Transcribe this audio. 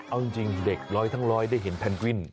เอาจริงเด็กร้อยทั้งร้อยได้เห็นแพนกวิน